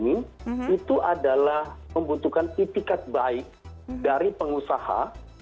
itu adalah membutuhkan itikat baik dari pengusaha